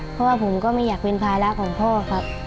เพราะว่าผมก็ไม่อยากเป็นภาระของพ่อครับ